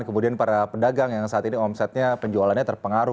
kemudian para pedagang yang saat ini omsetnya penjualannya terpengaruh